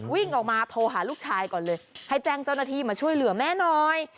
วิ่งออกมาโทรหาลูกชายก่อนเลยให้แจ้งเจ้าหน้าที่มาช่วยเหลือแม่หน่อย